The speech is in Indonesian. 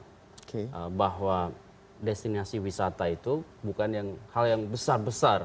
ya itu otimisme bahwa destinasi wisata itu bukan hal yang besar besar